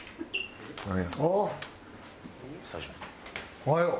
おはよう。